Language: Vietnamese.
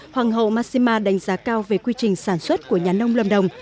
hoàng hậu massima đánh giá cao về quy trình sản xuất của nhà nông lâm đồng